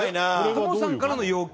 トモさんからの要求？